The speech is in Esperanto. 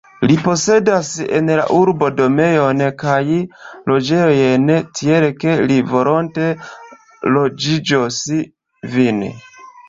Li posedas en la urbo domojn kaj loĝejojn, tiel ke li volonte loĝigos vin.